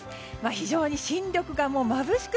非常に新緑がまぶしく